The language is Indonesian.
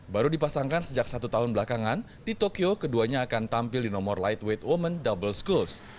baru dipasangkan sejak satu tahun belakangan di tokyo keduanya akan tampil di nomor lightweight women double schools